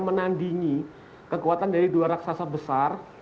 menandingi kekuatan dari dua raksasa besar